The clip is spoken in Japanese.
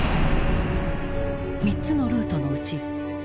３つのルートのうち